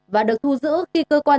và được thu giữ khi cơ quan